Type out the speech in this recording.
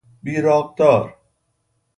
بیراقدار